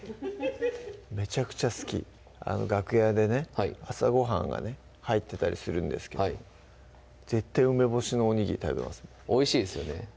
めちゃくちゃ好き楽屋でね朝ごはんがね入ってたりするんですけど絶対梅干しのおにぎり食べますおいしいですよね